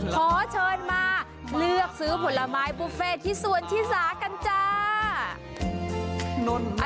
ขอเชิญมาเลือกซื้อผลไม้บุฟเฟ่ที่สวนชิสากันจ้า